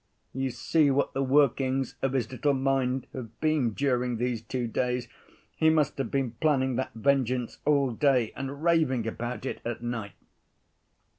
' You see what the workings of his little mind have been during these two days; he must have been planning that vengeance all day, and raving about it at night.